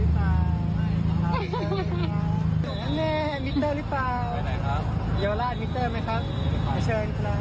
แม่งมิเตอร์หรือเปล่า